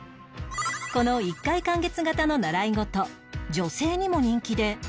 この１回完結型の習い事女性にも人気で